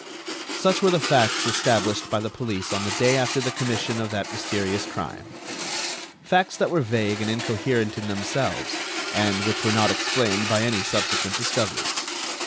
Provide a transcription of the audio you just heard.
Such were the facts established by the police on the day after the commission of that mysterious crime. Facts that were vague and incoherent in themselves, and which were not explained by any subsequent discoveries.